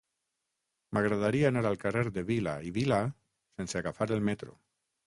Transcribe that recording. M'agradaria anar al carrer de Vila i Vilà sense agafar el metro.